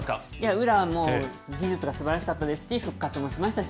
宇良はもう、技術がすばらしかったですし、復活もしましたし。